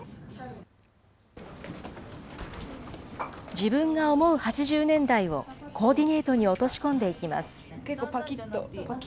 自分が思う８０年代をコーディネートに落とし込んでいきます。